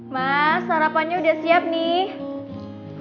mas sarapannya udah siap nih